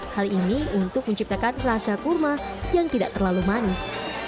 hal ini untuk menciptakan rasa kurma yang tidak terlalu manis